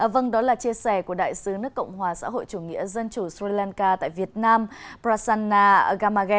vâng đó là chia sẻ của đại sứ nước cộng hòa xã hội chủ nghĩa dân chủ sri lanka tại việt nam prasanna gamage